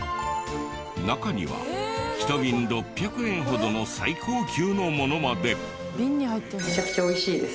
中には１瓶６００円ほどの最高級のものまで。